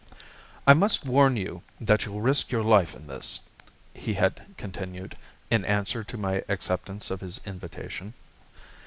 "I must warn you that you'll risk your life in this," he had continued, in answer to my acceptance of his invitation.